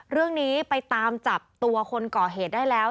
เรื่องนี้ไปตามจับตัวคนก่อเหตุได้แล้ว